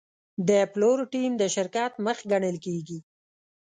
د پلور ټیم د شرکت مخ ګڼل کېږي.